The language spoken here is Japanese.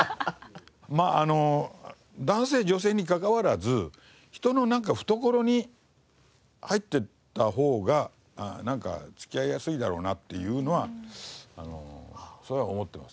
まああの男性女性にかかわらず人のなんか懐に入っていったほうが付き合いやすいだろうなっていうのはそれは思ってます。